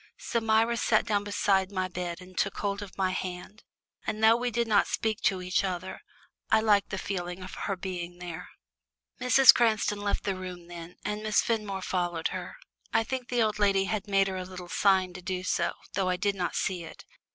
So Myra sat down beside my bed and took hold of my hand, and though we did not speak to each other, I liked the feeling of her being there. Mrs. Cranston left the room then, and Miss Fenmore followed her. I think the old lady had made her a little sign to do so, though I did not see it.